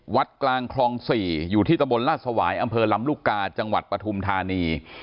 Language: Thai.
วัดกลางคลอง๔อยู่ที่ตะบนราชสวายอำเภอลำลูกกาจังหวัดปฐุมธานี